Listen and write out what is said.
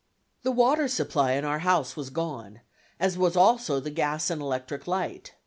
The water supply in our house was gone, as was also the gas and electric light.